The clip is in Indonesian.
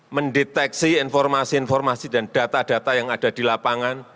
mendeteksi informasi informasi dan data data yang ada di lapangan